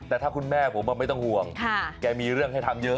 แต่ถ้าคุณแม่ผมไม่ต้องห่วงแกมีเรื่องให้ทำเยอะ